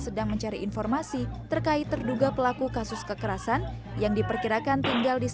sedang mencari informasi terkait terduga pelaku kasus kekerasan yang diperkirakan tinggal di